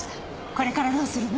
これからどうするの？